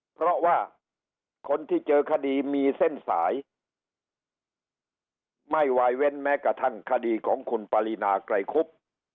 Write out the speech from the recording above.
เพราะว่าคนที่เจอคดีมีเส้นสายไม่วายเว้นแม้กระทั่งคดีของคุณปรินาไกรคุบ